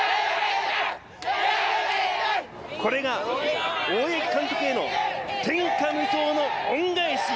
これが大八木監督への天下無双の恩返し。